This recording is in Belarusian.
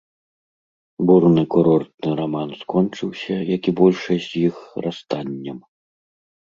Бурны курортны раман скончыўся, як і большасць з іх, расстаннем.